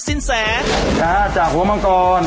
สินแสจากหัวมังกร